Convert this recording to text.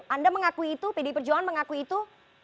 anda mengakui itu pdi perjuangan mengaku itu